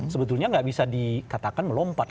sebetulnya nggak bisa dikatakan melompat